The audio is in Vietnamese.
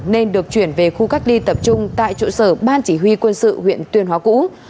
nên được chuyển về khu cách ly tập trung tại trụ sở ban chỉ huy quân sự huyện tuyên hóa cũ